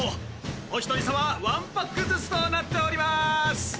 お一人様１パックずつとなっております。